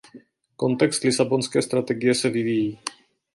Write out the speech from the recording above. Kontext Lisabonské strategie se vyvíjí.